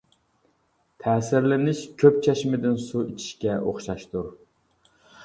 تەسىرلىنىش — كۆپ چەشمىدىن سۇ ئىچىشكە ئوخشاشتۇر.